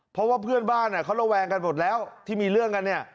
เพราะว่าเพื่อนบ้านเขาระแวงกันหมดแล้วที่มีเรื่องกันเนี่ย